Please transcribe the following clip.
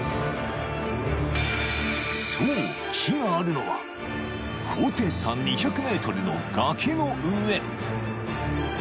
［そう木があるのは高低差２００ｍの崖の上］